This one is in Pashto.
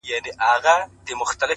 • شیخه تا چي به په حق تکفیرولو ,